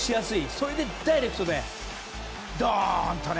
それでダイレクトでドーンとね。